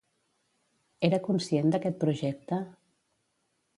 Era conscient d'aquest projecte?